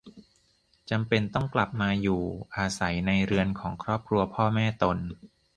จำเป็นต้องกลับมาอยู่อาศัยในเรือนของครอบครัวพ่อแม่ตน